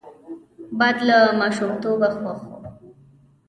باد له ماشومتوبه خوښ وو